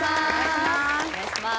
お願いします